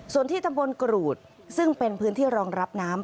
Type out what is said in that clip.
ส่วนที่ตำบลกรูดซึ่งเป็นพื้นที่รองรับน้ำ